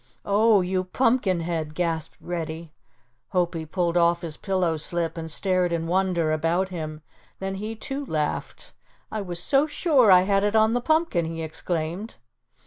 "Oh, you pumpkin head," gasped Reddy. Hopie pulled off his pillow slip and stared in wonder about him, then he too laughed. "I was so sure I had it on the pumpkin!" he exclaimed.